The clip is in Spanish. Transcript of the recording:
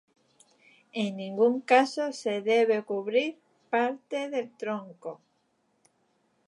En ningún caso se debe cubrir parte del tronco.